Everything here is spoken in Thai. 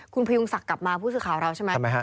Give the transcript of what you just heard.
คุณพยุงศักดิ์กลับมาผู้สื่อข่าวเราใช่ไหมฮะ